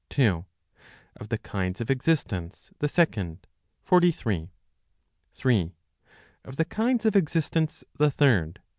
Of the Kinds of Existence, the Second, 43. 3. Of the Kinds of Existence, the Third, 44.